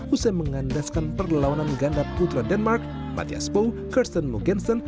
usai mengandaskan perlawanan ganda putra denmark matthias pou kirsten mugensen